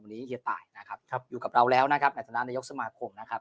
วันนี้เฮียตายนะครับอยู่กับเราแล้วนะครับในฐานะนายกสมาคมนะครับ